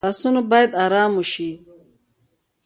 لاسونه باید آرام وشي